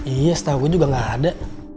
iya setau gue juga gak ada